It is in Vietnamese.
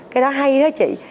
cái đó hay đó chị